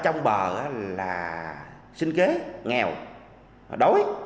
trong bờ là sinh kế nghèo đói